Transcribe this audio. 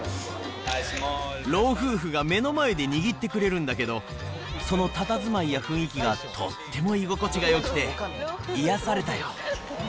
老夫婦が目の前で握ってくれるんだけど、そのたたずまいや雰囲気が、とっても居心地がよくて、癒やされたよ。